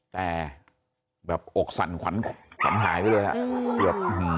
แต่แบบอกสั่นขวัญหายไปเลยอะ